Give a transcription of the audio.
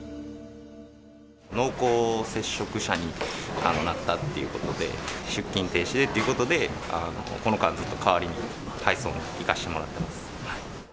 濃厚接触者になったということで、出勤停止でということで、この間ずっと代わりに配送に行かしてもらってます。